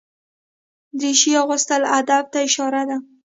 دریشي اغوستل ادب ته اشاره ده.